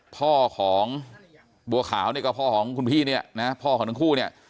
พ่อของบัวขาวเนี่ยก็พ่อของคุณพี่เนี่ยนะพ่อของทั้งคู่เนี่ย